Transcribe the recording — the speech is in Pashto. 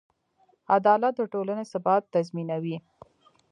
عدالت د ټولنې ثبات تضمینوي.